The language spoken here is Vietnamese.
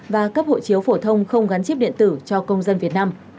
và cấp hộ chiếu phổ thông không gắn chip điện tử cho công dân việt nam